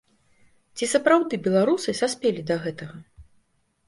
Ці сапраўды беларусы саспелі да гэтага?